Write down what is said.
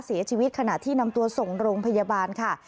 ขณะที่นำตัวส่งโรงพยาบาลค่ะ